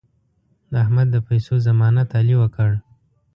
د احمد د پیسو ضمانت علي وکړ.